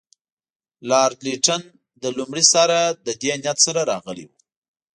لارډ لیټن له لومړي سره له دې نیت سره راغلی وو.